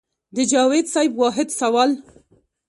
د جاوېد صېب واحد سوال